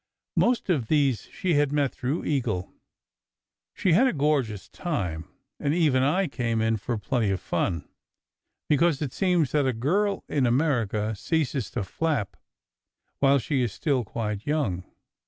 Most of these she had met through Eagle. She had a gorgeous time, and even I came in for plenty of fun; because it seems that a girl in America ceases to "flap" while she is still quite young.